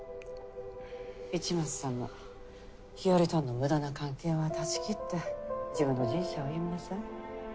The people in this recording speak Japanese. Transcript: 市松さんも日和との無駄な関係は断ち切って自分の人生を歩みなさい。